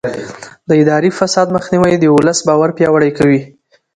د اداري فساد مخنیوی د ولس باور پیاوړی کوي.